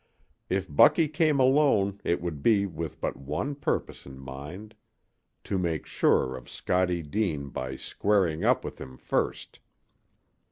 If Bucky came alone it would be with but one purpose in mind to make sure of Scottie Dean by "squaring up" with him first.